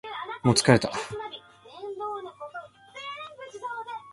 もう疲れた